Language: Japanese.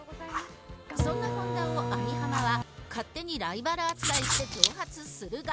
そんな本田を網浜は勝手にライバル扱いして挑発するが。